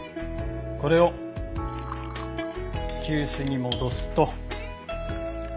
これを急須に戻すと。